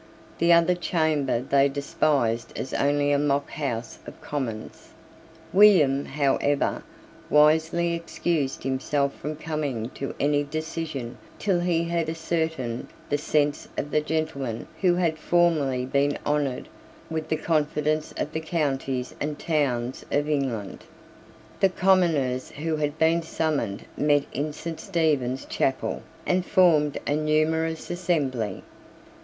The other Chamber they despised as only a mock House of Commons. William, however, wisely excused himself from coming to any decision till he had ascertained the sense of the gentlemen who had formerly been honoured with the confidence of the counties and towns of England. The commoners who had been summoned met in Saint Stephen's Chapel, and formed a numerous assembly.